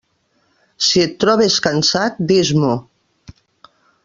Si et trobes cansat, dis-m'ho.